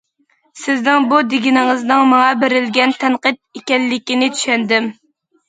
سىزنىڭ بۇ دېگىنىڭىزنىڭ ماڭا بېرىلگەن تەنقىد ئىكەنلىكىنى چۈشەندىم.